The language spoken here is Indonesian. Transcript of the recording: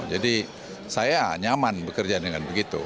jadi saya nyaman bekerja dengan begitu